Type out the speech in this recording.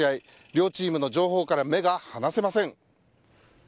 両チームの情報から目が離せません。